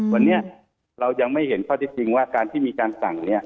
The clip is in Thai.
วันนี้เรายังไม่เห็นข้อที่จริงว่าการที่มีการสั่งเนี่ย